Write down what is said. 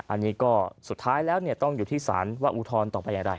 อันนี้ก็สุดท้ายแล้วต้องอยู่ที่ศาลว่าอุทธรณ์ต่อไปอย่างไร